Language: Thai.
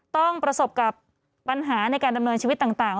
ประสบกับปัญหาในการดำเนินชีวิตต่าง